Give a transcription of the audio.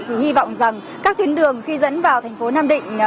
thì hy vọng rằng các tuyến đường khi dẫn vào thành phố nam định